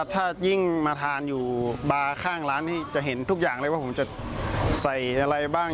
ถ้ายิ่งมาทานอยู่บาร์ข้างร้านนี้จะเห็นทุกอย่างเลยว่าผมจะใส่อะไรบ้าง